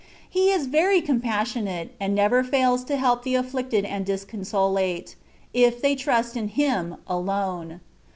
He is very compassionate, and never fails to help the afflicted and disconsolate, if they trust in Him alone.